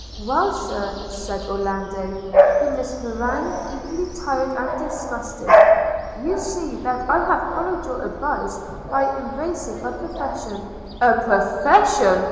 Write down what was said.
'Well, Sir,' said Orlando, whom this harangue equally tired and disgusted, 'you see that I have followed your advice, by embracing a profession –' 'A profession!'